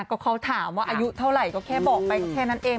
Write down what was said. ก็เขาถามว่าอายุเท่าไหร่ก็แค่บอกไปก็แค่นั้นเอง